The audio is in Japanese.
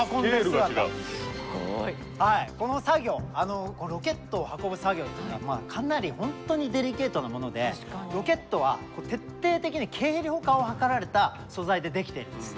この作業ロケットを運ぶ作業っていうのはかなり本当にデリケートなものでロケットは徹底的に軽量化を図られた素材で出来ています。